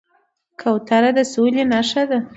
کوتره د سولې نښه ده.